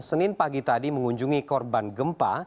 senin pagi tadi mengunjungi korban gempa